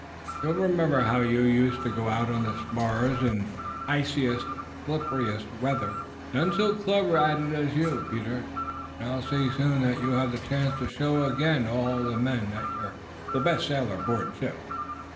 You'll remember how you used to go out on the spars in the iciest and slipperiest weather. None so clever at it as you, Peter, and I'll soon see that you have the chance to show again to all the men that you're the best sailor aboard ship."